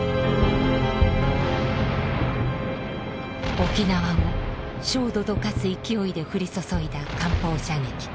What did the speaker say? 沖縄を焦土と化す勢いで降り注いだ艦砲射撃。